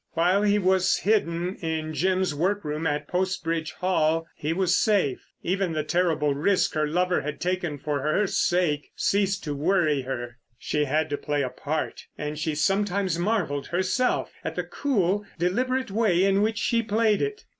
While he was hidden in Jim's workroom at Post Bridge Hall he was safe. Even the terrible risk her lover had taken for her sake ceased to worry her. She had to play a part, and she sometimes marvelled herself at the cool, deliberate way in which she played it.